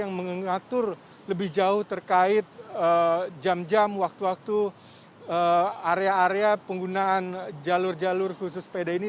yang mengatur lebih jauh terkait jam jam waktu waktu area area penggunaan jalur jalur khusus sepeda ini